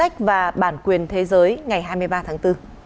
thế giới ngày hai mươi ba tháng bốn